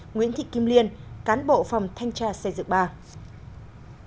nguyễn thị kim liên cán bộ phòng thanh tra xây dựng ba